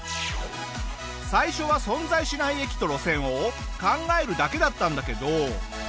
最初は存在しない駅と路線を考えるだけだったんだけど。